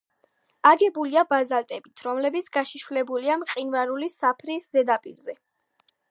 აგებულია ბაზალტებით, რომლებიც გაშიშვლებულია მყინვარული საფრის ზედაპირზე.